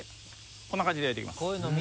こんな感じで焼いていきます。